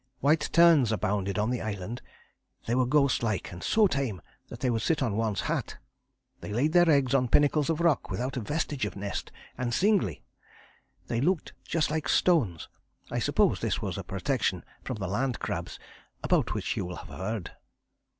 White terns abounded on the island. They were ghost like and so tame that they would sit on one's hat. They laid their eggs on pinnacles of rock without a vestige of nest, and singly. They looked just like stones. I suppose this was a protection from the land crabs, about which you will have heard.